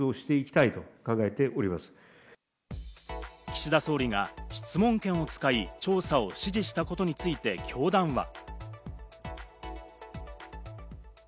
岸田総理が質問権を使い、調査を指示したことについて教団は。